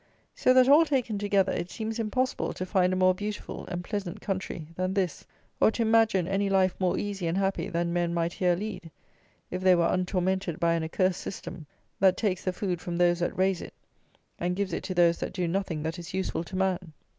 So that, all taken together, it seems impossible to find a more beautiful and pleasant country than this, or to imagine any life more easy and happy than men might here lead, if they were untormented by an accursed system that takes the food from those that raise it, and gives it to those that do nothing that is useful to man.